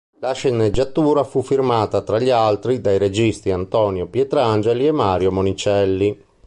La sceneggiatura fu firmata, tra gli altri, dai registi Antonio Pietrangeli e Mario Monicelli.